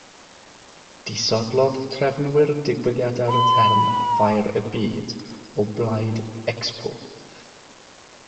Disodlodd trefnwyr digwyddiadau'r term "ffair y byd" o blaid "expo".